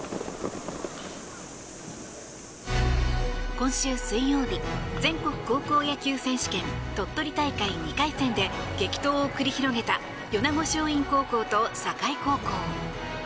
今週水曜日、全国高校野球選手権鳥取大会２回戦で激闘を繰り広げた米子松蔭高校と境高校。